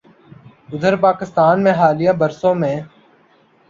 ادھر پاکستان میں حالیہ برسوں میں